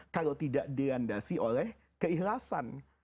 kalau tidak dilandasi oleh keikhlasan